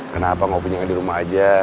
kenapa ngopi di rumah saja